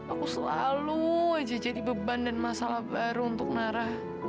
aku selalu aja jadi beban dan masalah baru untuk nara